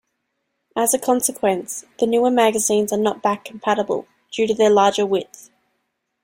As a consequence, the newer magazines are not back-compatible, due to their larger width.